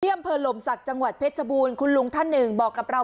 อำเภอหลมศักดิ์จังหวัดเพชรบูรณคุณลุงท่านหนึ่งบอกกับเรา